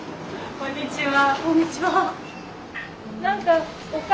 こんにちは。